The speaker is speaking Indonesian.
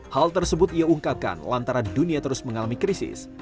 hal tersebut ia ungkapkan lantaran dunia terus mengalami krisis